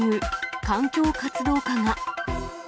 環境活動家が。